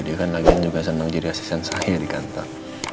dia kan lagi juga senang jadi asisten saya di kantor